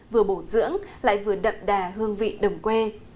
vừa bổ dưỡng lại vừa đậm đà hương vị đồng quê